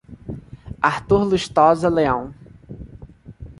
Artur Lustosa Leao